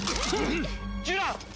ジュラン！